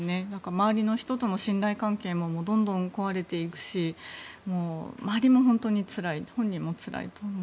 周りの人との信頼関係もどんどん壊れていくし周りも本当につらい本人もつらいと。